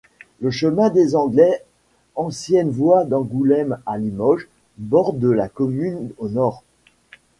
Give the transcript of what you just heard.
Le Chemin des Anglais, ancienne voie d'Angoulême à Limoges, borde la commune au nord.